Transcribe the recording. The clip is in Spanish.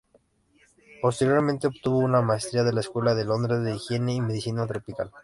Posteriormente obtuvo una Maestría de la Escuela de Londres de Higiene y Medicina Tropical.